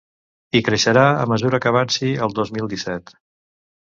I creixerà a mesura que avanci el dos mil disset.